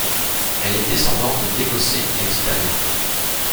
Elle est descendante d'Écossais et d'Italiens.